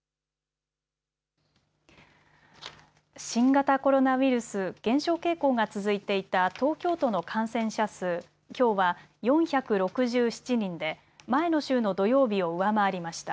新型コロナウイルス、減少傾向が続いていた東京都の感染者数、きょうは４６７人で前の週の土曜日を上回りました。